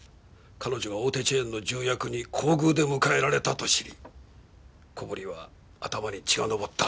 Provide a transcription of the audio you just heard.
彼女が大手チェーンの重役に厚遇で迎えられたと知り小堀は頭に血が上った。